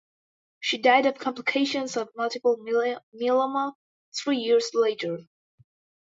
She died of complications of multiple myeloma three years later.